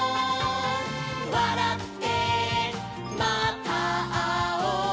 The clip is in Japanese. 「わらってまたあおう」